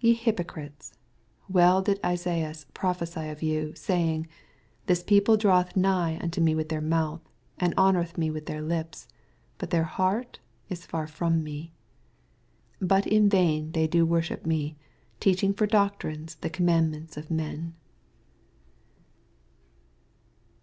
7 Te hypoorites, well did Ebubb prophesy of you, saying, 8 This people draweth nigli onto me with tkeir moath, and honoreth me with thtir lipe : bnt their heart if farfromme. 9 Bat in vain they do worship me, teaching /or doctrinea the oommand ments of men.